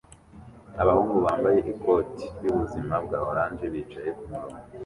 Abahungu bambaye ikoti ryubuzima bwa orange bicaye kumurongo